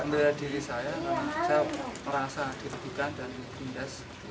membela diri saya karena saya merasa ditindas